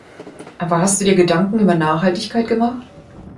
Aber hast du dir Gedanken über Nachhaltigkeit gemacht?